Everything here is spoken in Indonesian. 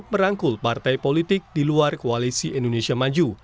merangkul partai politik di luar koalisi indonesia maju